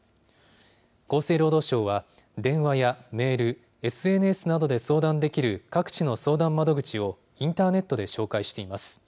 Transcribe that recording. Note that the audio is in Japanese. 厚生労働省は、電話やメール、ＳＮＳなどで相談できる各地の相談窓口を、インターネットで紹介しています。